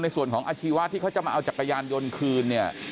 ในส่วนของอาชีวะที่เขาจะมาเอาจักรยานยนต์คืน